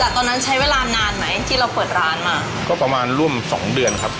แต่ตอนนั้นใช้เวลานานไหมที่เราเปิดร้านมาก็ประมาณร่วมสองเดือนครับ